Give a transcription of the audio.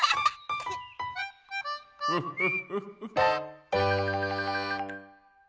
フフフフ。